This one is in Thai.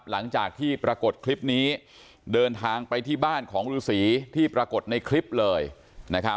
หลังจากที่ปรากฏคลิปนี้เดินทางไปที่บ้านของฤษีที่ปรากฏในคลิปเลยนะครับ